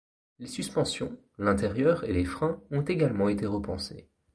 Les suspensions, l’intérieur et les freins ont également été repensés.